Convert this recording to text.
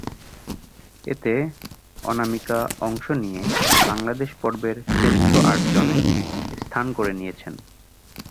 এতে অনামিকা অংশ নিয়ে বাংলাদেশ পর্বের শ্রেষ্ঠ আটজনে স্থান করে নিয়েছেন।